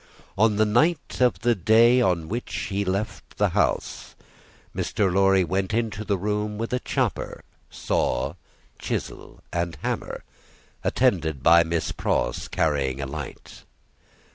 On the night of the day on which he left the house, Mr. Lorry went into his room with a chopper, saw, chisel, and hammer, attended by Miss Pross carrying a light.